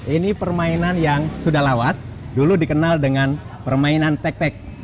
ini permainan yang sudah lawas dulu dikenal dengan permainan tek tek